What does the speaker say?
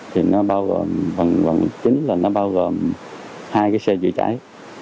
chính là nó bao gồm hai cái xe chữa cháy